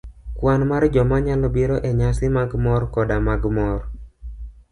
Kwan mar joma nyalo biro enyasi mag mor koda mag mor,